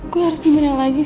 gue harus dimiliki lagi sih